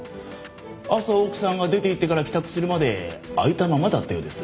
朝奥さんが出ていってから帰宅するまで開いたままだったようです。